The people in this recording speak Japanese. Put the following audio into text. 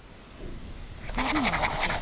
２人のこけし。